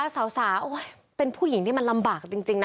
สาวเป็นผู้หญิงที่มันลำบากจริงนะ